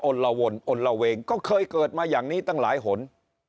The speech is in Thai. ละวนอนละเวงก็เคยเกิดมาอย่างนี้ตั้งหลายหน